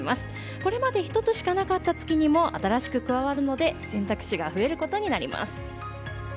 これまで１つしかなかった月にも新しく加わるので選択肢が増えることになります。